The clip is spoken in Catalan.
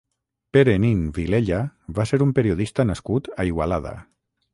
Pere Nin Vilella va ser un periodista nascut a Igualada.